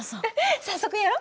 早速やろ。